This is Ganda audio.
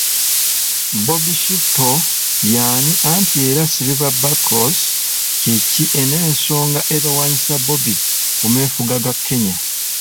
Bobby Shaftoe' y'ani nti era ‘Silver buckles’ kye ki, n’ensonga ebawaanyisa 'Bobby' ku meefuga ga Kenya.